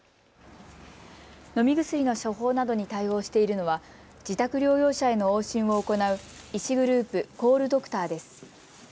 飲み薬の処方などに対応しているのは自宅療養者への往診を行う医師グループ、コールドクターです。